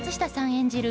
演じる